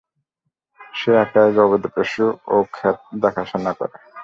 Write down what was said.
সে একাই গবাদিপশু ও ক্ষেত দেখাশোনা করে।